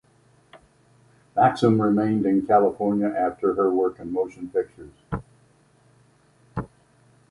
Maxam remained in California after her work in motion pictures.